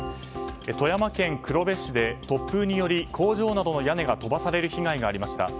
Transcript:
富山県黒部市で突風により工場などの屋根が飛ばされる被害がありました。